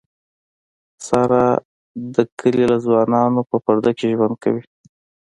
ساره له د کلي له ځوانانونه په پرده کې ژوند کوي.